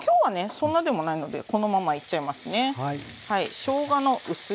そんなでもないのでこのままいっちゃいますね。